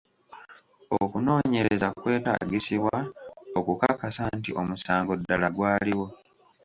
Okunoonyereza kwetaagisibwa okukakasa nti omusango ddala gwaliwo.